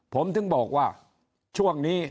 ผมถึงบอกว่าช่วงนี้